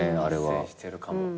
発生してるかも。